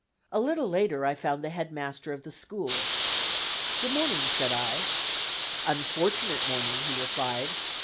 A little later I found the Head Master of the school. "Good morning," said I. "Unfortunate morning," he replied.